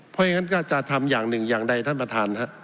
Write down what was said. เพราะฉะนั้นก็จะทำอย่างหนึ่งอย่างใดท่านประธาน